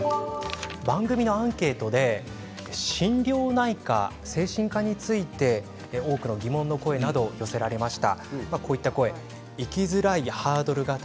番組アンケートで心療内科、精神科について多くの疑問の声などが寄せられました。